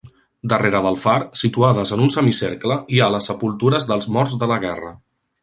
Darrere del far, situades en un semicercle, hi ha les sepultures dels morts de la guerra.